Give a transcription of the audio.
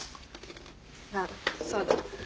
あっそうだ。